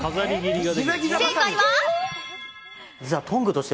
正解は。